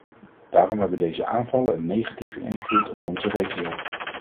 Daarom hebben deze aanvallen een negatieve invloed op onze regio.